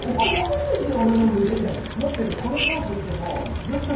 お前なめてんじゃん！